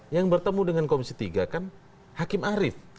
yang bertemu dengan komisi tiga kan hakim arief